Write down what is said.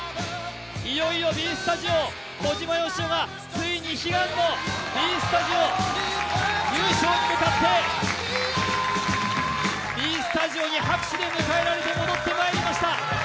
いよいよＢスタジオ小島よしおがついに悲願のＢスタジオ、優勝に向かってＢスタジオに拍手で迎えられて戻ってまいりました。